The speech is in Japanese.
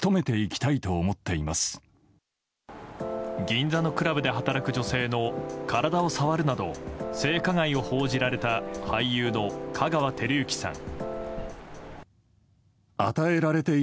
銀座のクラブで働く女性の体を触るなど性加害を報じられた俳優の香川照之さん。